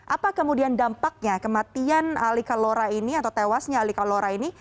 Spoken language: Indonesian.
apa kemudian dampaknya kematian ali kalora ini atau tewasnya ali kalora ini